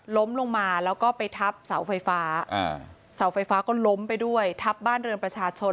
ล้มลงมาแล้วก็ไปทับเสาไฟฟ้าเสาไฟฟ้าก็ล้มไปด้วยทับบ้านเรือนประชาชน